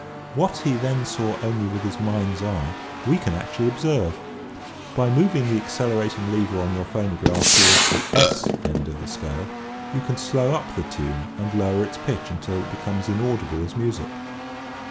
What he then saw only with his mind's eye we can actually observe. By moving the accelerating lever on your phonograph toward the S end of the scale you can slow up the tune and lower its pitch until it becomes inaudible as music.